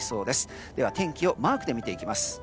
では天気マークで見ていきます。